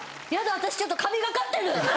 私ちょっと神がかってる！